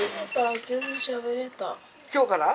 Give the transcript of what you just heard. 今日から？